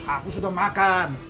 aku sudah makan